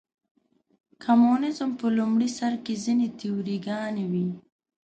کمونیزم په لومړي سر کې ځینې تیوري ګانې وې.